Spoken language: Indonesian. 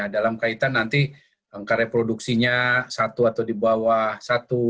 dalam kaitan nanti angka reproduksinya satu atau di bawah satu